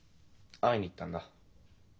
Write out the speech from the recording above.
会いに行ったんだ。